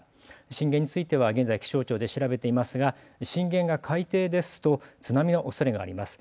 震源については現在、気象庁で調べていますが震源が海底ですと津波のおそれがあります。